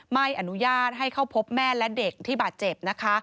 ไม่อนุญาตให้เข้าพบแม่และเด็กที่บาดเจ็บนะคะ